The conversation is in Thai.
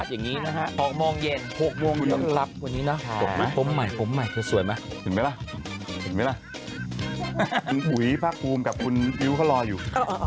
คุณอุ๋ยภาคภูมิกับคุณอิ๊วเขารออยู่